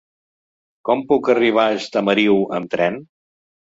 Com puc arribar a Estamariu amb tren?